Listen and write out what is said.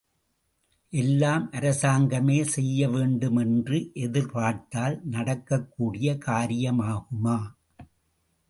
எல்லாம் அரசாங்கமே செய்யவேண்டு மென்று எதிர்பார்த்தால் நடக்கக் கூடிய காரியமாகுமா?